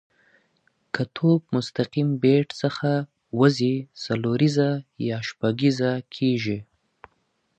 که توپ مستقیم له بېټ څخه وځي، څلوریزه یا شپږیزه کیږي.